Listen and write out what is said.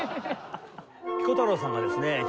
ピコ太郎さんがですね